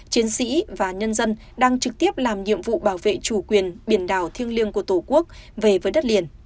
chiến sĩ và nhân dân đang trực tiếp làm nhiệm vụ bảo vệ chủ quyền biển đảo thiêng liêng của tổ quốc về với đất liền